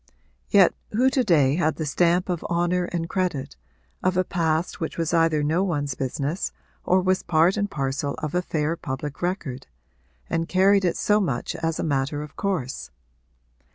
Yet who to day had the stamp of honour and credit of a past which was either no one's business or was part and parcel of a fair public record and carried it so much as a matter of course?